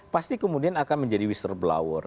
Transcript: pasti kemudian akan menjadi whistleblower